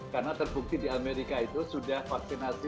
karena terbukti di amerika itu sudah vaksinasi